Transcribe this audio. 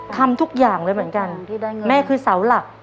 ทำทุกอย่างเลยเหมือนกันแม่คือเสาหลัก